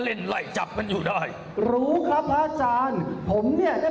ไล่จับมันอยู่ได้รู้ครับพระอาจารย์ผมเนี่ย